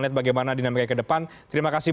lihat bagaimana dinamika ke depan terima kasih